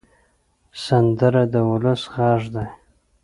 سندره د ولس غږ دی